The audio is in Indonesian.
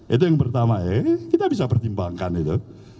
itu yang pertama ya ini kita bisa pertimbangkan itu